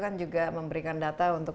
kan juga memberikan data untuk